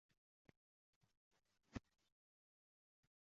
«shuni o'qib bersangiz, eshitsam»,—dedi.